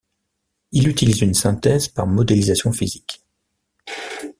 Il utilise une synthèse par modélisation physique.